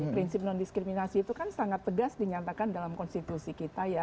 prinsip non diskriminasi itu kan sangat tegas dinyatakan dalam konstitusi kita ya